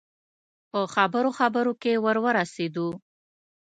په خبرو خبرو کې ور ورسېدو.